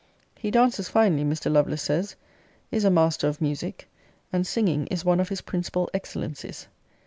He dances finely, Mr. Lovelace says; is a master of music, and singing is one of his principal excellencies.